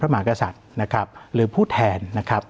มากษัตริย์นะครับหรือผู้แทนนะครับ